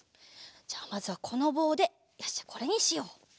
じゃまずはこのぼうでよしじゃあこれにしよう。